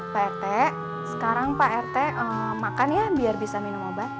pak rt sekarang pak rt makan ya biar bisa minum obat